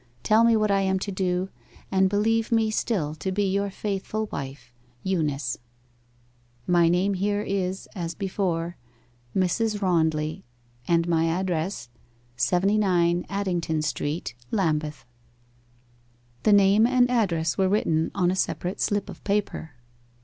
Tell me what I am to do, and believe me still to be your faithful wife, EUNICE. '"My name here is (as before) '"MRS. RONDLEY, and my address, 79 ADDINGTON STREET, LAMBETH.'" The name and address were written on a separate slip of paper.